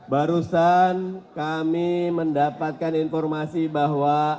barusan kami mendapatkan informasi bahwa